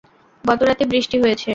গতরাতে বৃষ্টি হয়েছে।